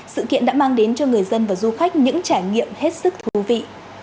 sự kiện đã mang đến cho người dân và du khách những trải nghiệm hết sức thú vị